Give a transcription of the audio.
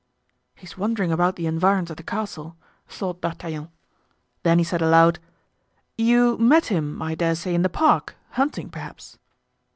"He is wandering about the environs of the castle," thought D'Artagnan. Then he said aloud: "You met him, I dare say, in the park—hunting, perhaps?"